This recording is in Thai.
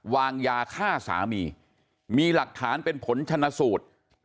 วางยาฆ่าสามีมีหลักฐานเป็นผลชนะสูตร